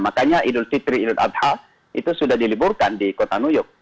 makanya idul fitri idul adha itu sudah diliburkan di kota new york